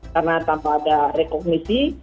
karena tanpa ada rekognisi